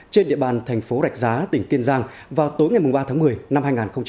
trên địa bàn thành phố rạch giá tỉnh kiên giang vào tối ngày ba tháng một mươi năm hai nghìn hai mươi